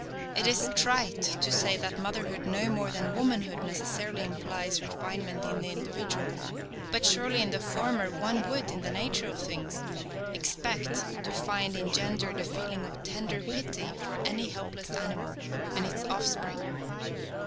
It is trite to say that motherhood no more than womanhood necessarily implies refinement in the individual, but surely in the former, one would, in the nature of things, expect to find engendered a feeling of tender pity for any helpless animal and its offspring.